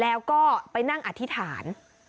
แล้วก็ไปนั่งอธิษฐาน